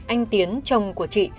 anh tiến chồng của chị